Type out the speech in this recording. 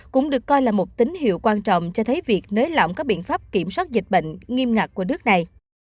cũng được coi là một tín hiệu quan trọng cho thấy việc nới lỏng các biện pháp kiểm soát dịch bệnh nghiêm ngặt của nước này